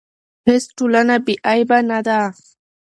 هیڅ ټولنه بې عیبه نه ده.